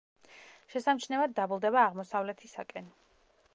შესამჩნევად დაბლდება აღმოსავლეთისაკენ.